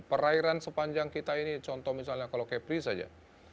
perairan sepanjang kita ini contoh misalnya kalau kepri saja